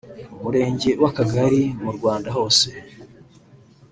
Umurenge n’Akagari mu Rwanda hose